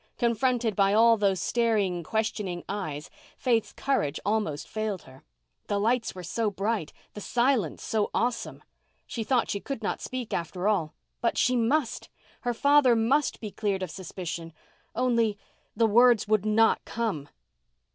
Confronted by all those staring questioning eyes Faith's courage almost failed her. The lights were so bright, the silence so awesome. She thought she could not speak after all. But she must—her father must be cleared of suspicion. Only—the words would not come.